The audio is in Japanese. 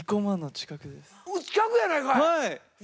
近くやないかい！